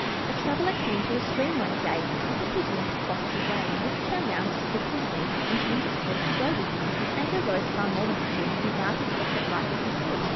A traveler came to a stream one day, And because it presumed to cross his way, And wouldn't turn round to suit his whim And change its course to go with him, His anger rose far more than it should, And he vowed he'd cross right where he stood.